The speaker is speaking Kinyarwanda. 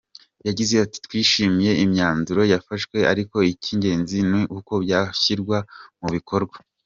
Yagize ati “Twishimiye imyanzuro yafashwe ariko icy’ingenzi ni uko byashyirwa mu bikorwa.